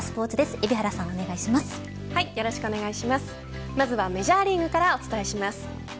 海老原さん、まずはメジャーリーグからお伝えします。